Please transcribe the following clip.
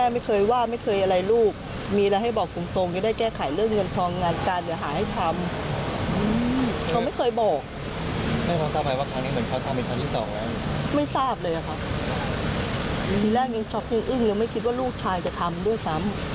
ไม่ทราบเลยอะค่ะทีแรกยังช็อคอึ้งแล้วไม่คิดว่าลูกชายจะทำด้วยซ้ำ